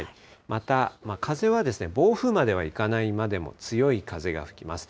また、風は暴風まではいかないまでも、強い風が吹きます。